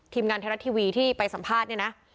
ทีมงานเทราะห์ทีวีที่ไปสัมภาษณ์เนี่ยนะ